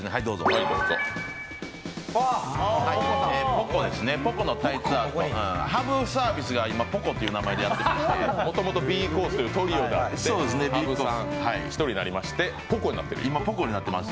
歩子のタイツアートハブサービスが歩子という名前でやっていましてもともとＢコースというトリオで１人になりまして、今、歩子になっている。